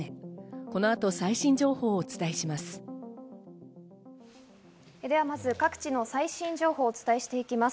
この後、最新情報をお伝えします。